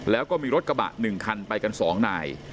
แล้วก็มีรถกระบะหนึ่งคันไปกันสองนาย